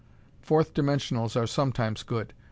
Fourth dimensionals are sometimes good.